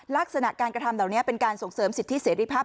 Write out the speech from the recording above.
ลักษณะการกระทำเหล่านี้เป็นการส่งเสริมสิทธิเสรีภาพ